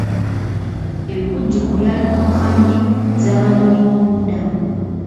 Ebikujjuko byali mu nkambi z'abanoonyiboobubudamu.